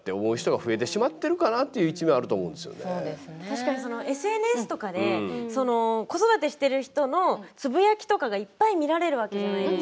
確かにＳＮＳとかで子育てしてる人のつぶやきとかがいっぱい見られるわけじゃないですか。